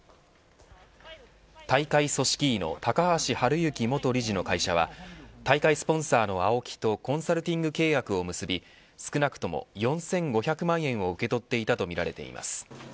大会組織委の高橋治之元理事の会社は大会スポンサーのＡＯＫＩとコンサルティング契約を結び少なくとも４５００万円を受け取っていたとみられています。